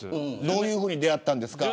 どういうふうに出会ったんですか。